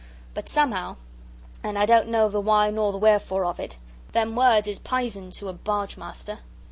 But somehow, and I don't know the why nor the wherefore of it, them words is p'ison to a barge master.